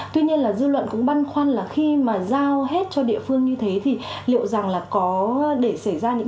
tuy nhiên là dư luận cũng băn khoăn là khi mà giao hết cho địa phương như thế thì liệu rằng là có để xảy ra những